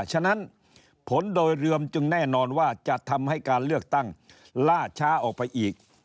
ฉะนั้นผลโดยรวมจึงแน่นอนว่าจะทำให้การเลือกตั้งล่าช้าออกไปอีก